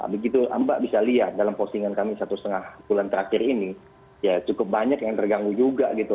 begitu mbak bisa lihat dalam postingan kami satu setengah bulan terakhir ini ya cukup banyak yang terganggu juga gitu